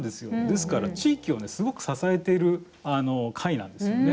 ですから、地域をすごく支えている貝なんですよね。